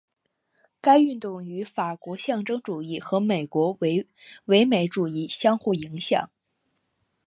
该运动与法国象征主义和英国唯美主义相互影响。